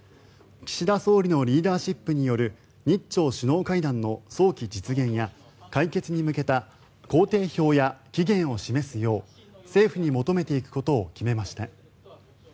岸田総理のリーダーシップによる日朝首脳会談の早期実現や解決に向けた工程表や期限を示すよう政府に求めていくことを決めました。